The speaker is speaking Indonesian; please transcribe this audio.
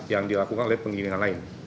yang dilakukan oleh penggilingan lain